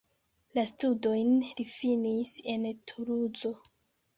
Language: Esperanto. La studojn li finis en Tuluzo.